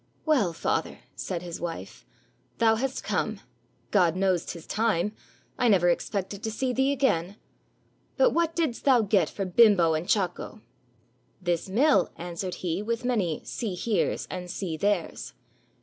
"Well, father," said his wife, "thou hast come; God 393 AUSTRIA HUNGARY knows 't is time. I never expected to see thee again ; but what didst thou get for Bimbo and Csako?" "This mill," answered he with many "See heres" and "See theres."